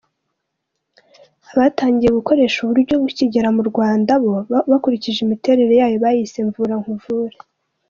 Abatangiye gukoresha ubu buryo bukigera mu Rwanda bo, bakurikije imiterere yayo, bayise “Mvura nkuvure”.